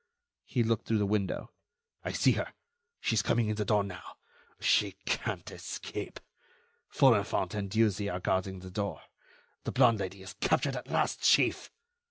He looked through the window. "I see her. She is coming in the door now. She can't escape: Folenfant and Dieuzy are guarding the door.... The blonde Lady is captured at last, Chief!"